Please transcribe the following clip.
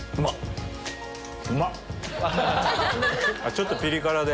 ちょっとピリ辛で。